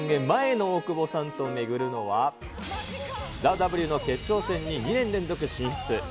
前の大久保さんと巡るのは、ＴＨＥＷの決勝戦に２年連続進出。